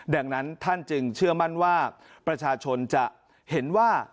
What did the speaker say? ดังนั้นท่านจึงเชื่อมั่นว่าประชาชนจะเห็นว่า